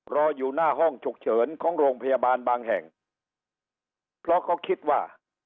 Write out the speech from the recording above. รออยู่หน้าห้องฉุกเฉินของโรงพยาบาลบางแห่งเพราะเขาคิดว่า